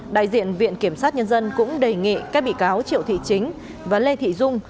đại diện viện kiểm sát nhân dân cũng đề nghị các bị cáo triệu thị chính và lê thị dung